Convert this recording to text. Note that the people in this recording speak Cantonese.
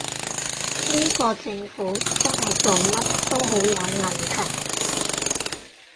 呢個政府真係做乜都好有問題